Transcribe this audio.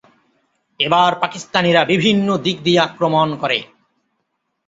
এবার পাকিস্তানিরা বিভিন্ন দিক দিয়ে আক্রমণ করে।